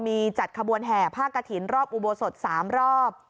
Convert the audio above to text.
มีจัดขบวนแห่ผ้ากระถิ่นรอบอุโบสถ๓รอบ